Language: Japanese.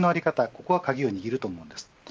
これが鍵を握ると思います。